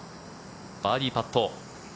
バーディーパット。